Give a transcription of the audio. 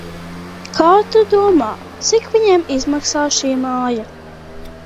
Kā tu domā, cik viņiem izmaksā šī māja?